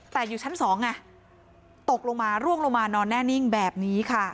แต่อยู่ชั้นสองไงตกลงมาร่วงลงมานอนแน่นิ่งแบบนี้ค่ะ